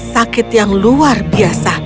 sakit yang luar biasa